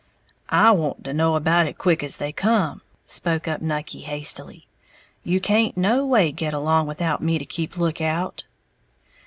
"I want to know about it quick as they come," spoke up Nucky, hastily; "you can't no way get along without me to keep lookout."